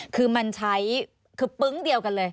คือมันใช้คือปึ๊งเดียวกันเลย